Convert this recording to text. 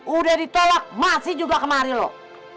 udah di tolak masih juga kemarin loh